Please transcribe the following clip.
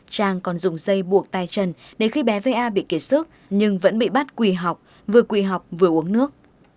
trang còn dùng dây buộc tay chân để khi bé va bị kỳ sức nhưng vẫn bị bắt quỳ học vừa quỳ học vừa uống nước